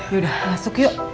yaudah masuk yuk